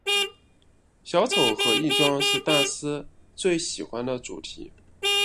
小丑和易装是大师最喜欢的主题。